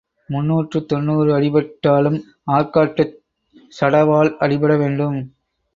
முன்னூற்று தொன்னூறு அடிபட்டாலும் ஆர்க்காட்டுச் சடாவால் அடிபட வேண்டும்.